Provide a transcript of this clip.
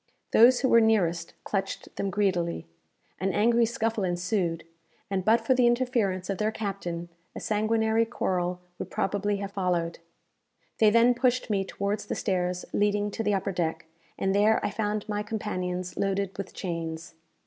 Those who were nearest clutched them greedily. An angry scuffle ensued, and but for the interference of their captain, a sanguinary quarrel would probably have followed. They then pushed me towards the stairs leading to the upper deck, and there I found my companions loaded with chains.